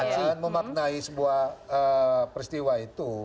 jangan berlebihan memaknai sebuah peristiwa itu